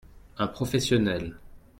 Un professionnel.